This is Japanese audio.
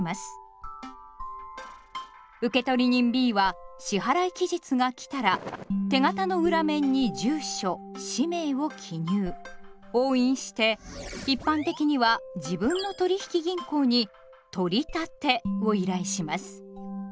受取人Ｂは支払期日が来たら手形の裏面に住所氏名を記入押印して一般的には自分の取引銀行に「取立て」を依頼します。